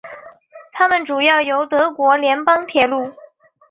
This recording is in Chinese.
它们主要由德国联邦铁路。